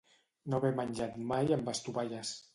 No haver menjat mai amb estovalles.